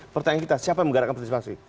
pertanyaan kita siapa yang menggerakkan partisipasi